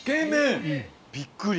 びっくり。